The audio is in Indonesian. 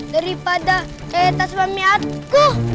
daripada saya tas mami aku